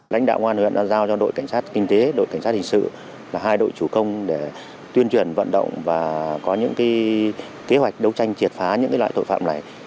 lãnh đạo công an huyện đã giao cho đội cảnh sát kinh tế đội cảnh sát hình sự là hai đội chủ công để tuyên truyền vận động và có những kế hoạch đấu tranh triệt phá những loại tội phạm này